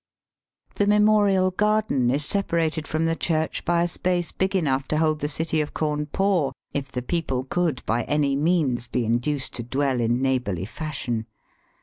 The Memorial Garden is separated from the church by a space big enough to hold the oity of Cawnpore if the people could by any means be induced to dwell in neighbourly fashion.